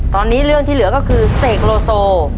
ตอนนี้เรื่องที่เหลือก็คือเสกโลโซ